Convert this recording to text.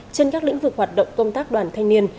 trên các lĩnh vực hoạt động công tác đoàn thanh niên